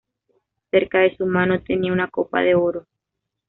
Cerca de su mano tenía una copa de oro.